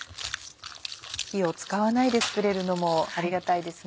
火を使わないで作れるのもありがたいですね。